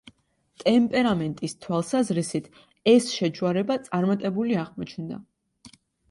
ტემპერამენტის თვალსაზრისით ეს შეჯვარება წარმატებული აღმოჩნდა.